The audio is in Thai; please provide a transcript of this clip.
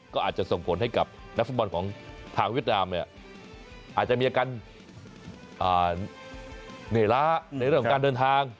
ก็อาจจะส่งผลให้กับนักฟุตบอลของทางเวียดนามเนี่ยอาจจะมีอาการเหนื่อยล้าในเรื่องของการเดินทาง